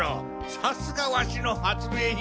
さすがワシの発明品！